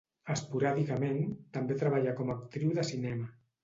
Esporàdicament, també treballà com a actriu de cinema.